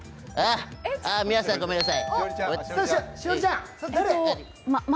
皆さんごめんなさい。